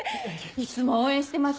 いつも応援してます